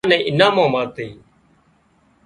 اي اين نين انعام مان مۯِي تي